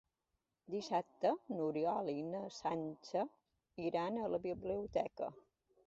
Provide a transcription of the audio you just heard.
Dissabte n'Oriol i na Sança iran a la biblioteca.